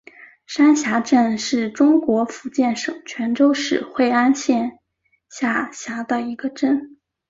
山霞镇是中国福建省泉州市惠安县下辖的一个镇。